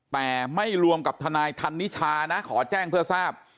แต่ไม่รวมกับทนายธันนิชานะขอแจ้งเพื่อทราบ